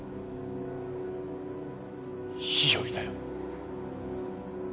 日和だよ。